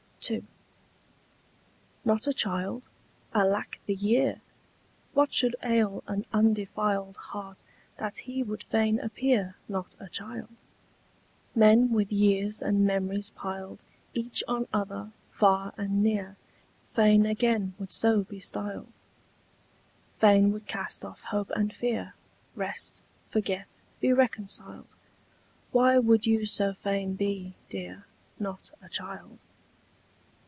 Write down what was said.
II. Not a child? alack the year! What should ail an undefiled Heart, that he would fain appear Not a child? Men, with years and memories piled Each on other, far and near, Fain again would so be styled: Fain would cast off hope and fear, Rest, forget, be reconciled: Why would you so fain be, dear, Not a child?